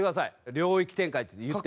「領域展開」って言って。